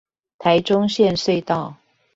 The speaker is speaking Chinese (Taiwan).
臺中線隧道